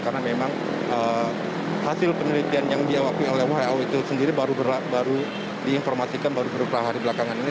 karena memang hasil penelitian yang diawakui oleh who itu sendiri baru diinformasikan baru berulang hari belakangan ini